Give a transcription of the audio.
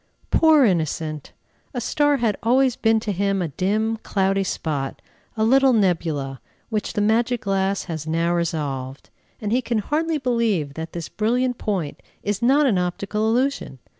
Poor innocent! a star had always been to him a dim, cloudy spot, a little nebula, which the magic glass has now resolved; and he can hardly believe that this brilliant point is not an optical illusion.